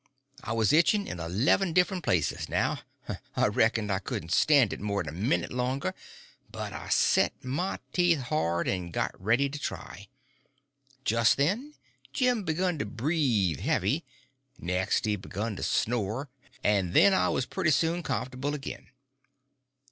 I was itching in eleven different places now. I reckoned I couldn't stand it more'n a minute longer, but I set my teeth hard and got ready to try. Just then Jim begun to breathe heavy; next he begun to snore—and then I was pretty soon comfortable again.